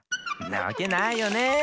なわけないよね。